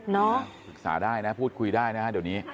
ศึกษาได้นะพูดคุยได้นะฮะเดี๋ยวนี้